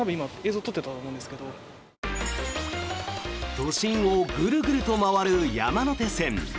都心をグルグルと回る山手線。